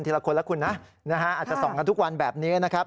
ละคนละคุณนะอาจจะส่องกันทุกวันแบบนี้นะครับ